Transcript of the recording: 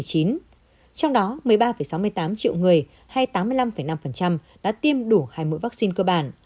trong đó một mươi ba sáu mươi tám triệu người hay tám mươi năm năm đã tiêm đủ hai mũi vaccine cơ bản